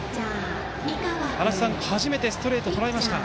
足達さん、初めてストレートをとらえました。